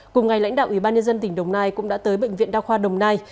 cùng ngày lãnh đạo ủy ban nhân dân tỉnh đồng nai cũng đã tới bệnh viện đa khoa đồng nai